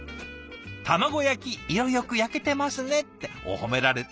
「卵焼き色よくやけてますね」っておっ褒められてる！